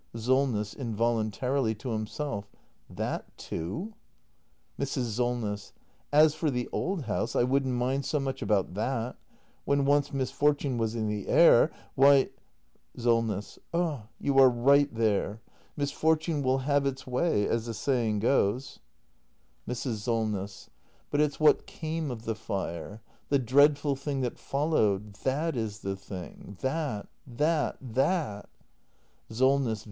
Solness. [Involuntarily to himself.] That too ! Mrs. Solness. As for the old house, I wouldn't mind so much about that. When once misfortune was in the air — why Solness. Ah, you are right there. Misfortune will have its way — as the saying goes. 326 THE MASTER BUILDER [act ii Mrs. Solness. But it's what came of the fire — the dreadful thing that followed ! That is the thing! That, that, that! Solness.